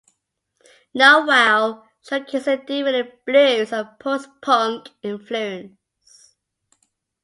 "No Wow" showcases definite blues and post-punk influences.